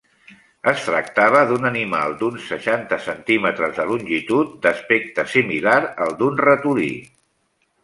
Es tractava d'un animal d'uns seixanta centímetres de longitud, d'aspecte similar al d'un ratolí.